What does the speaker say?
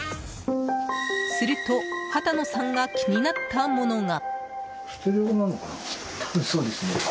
すると、畑野さんが気になったものが。